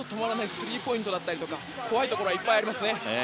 スリーポイントだったりとか怖いところがいっぱいありますね。